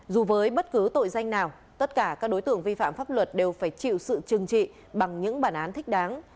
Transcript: dù với bất cứ tội danh nào tất cả các đối tượng vi phạm pháp luật đều phải chịu sự trừng trị bằng những bản án thích đáng